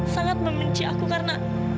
sangat membenci aku karena